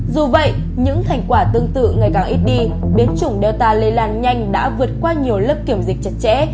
dù vậy những thành quả tương tự ngày càng ít đi biến chủng delta lây lan nhanh đã vượt qua nhiều lớp kiểm dịch chặt chẽ